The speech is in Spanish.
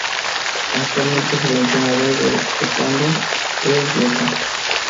Actualmente es el entrenador del Standard de Lieja.